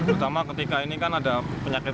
terutama ketika ini kan ada penyakit